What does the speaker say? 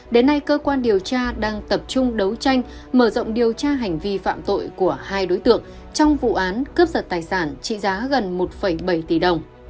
đến nay cơ quan điều tra đang tập trung đấu tranh mở rộng điều tra hành vi phạm tội của hai đối tượng trong vụ án cướp giật tài sản trị giá gần một bảy tỷ đồng